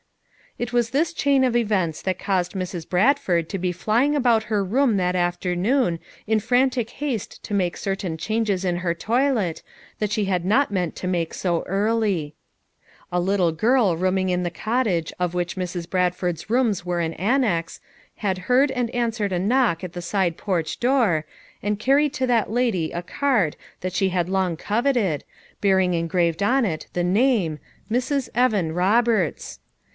It was this chain of events that caused Mrs. Bradford to be flying about her room that after noon in frantic haste to make certain changes in her toilet, that she had not meant to make so early. A little girl rooming in the cottage of which Mrs. Bradford's rooms were an annex, had heard and answered a knock at the side porch door, and carried to that lady a card that she had long coveted, bearing engraved on it the name: "Mrs. Evan Roberts."